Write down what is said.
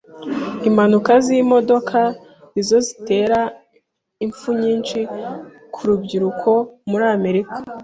Impanuka z’imodoka nizo zitera impfu nyinshi ku rubyiruko muri Amerika.